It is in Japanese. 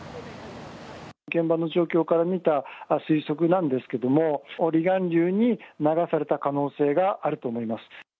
現場の状況から見た推測なんですけれども、離岸流に流された可能性があると思います。